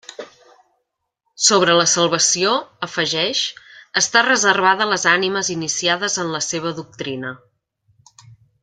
Sobre la salvació, afegeix, està reservada a les ànimes iniciades en la seva doctrina.